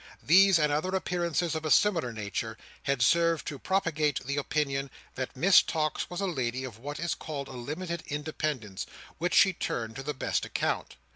These and other appearances of a similar nature, had served to propagate the opinion, that Miss Tox was a lady of what is called a limited independence, which she turned to the best account.